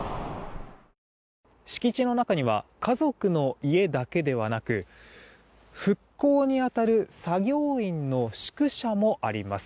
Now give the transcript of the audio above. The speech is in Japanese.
敷地の中には家族の家だけではなく復興に当たる作業員の宿舎もあります。